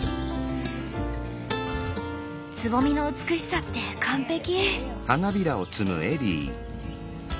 つぼみの美しさって完璧。